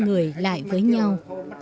các người lại với nhau